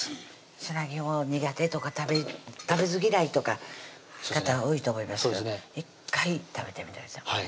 砂肝苦手とか食べず嫌いとかの方多いと思いますけど１回食べてみてください